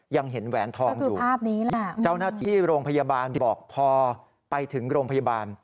ยังเห็นแหวนทองอยู่จ้าวหน้าที่โรงพยาบาลบอกพอไปถึงโรงพยาบาล